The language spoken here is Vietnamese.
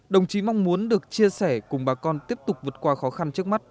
đồng chí mong muốn được chia sẻ cùng bà con tiếp tục vượt qua khó khăn trước mắt